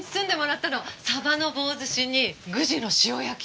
サバの棒寿司にグジの塩焼き。